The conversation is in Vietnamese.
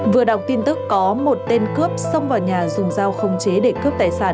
vừa đọc tin tức có một tên cướp xông vào nhà dùng dao không chế để cướp tài sản